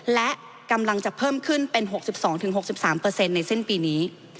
และกำลังจะเพิ่มขึ้นเป็น๖๒๖๓ในสิ้นปีนี้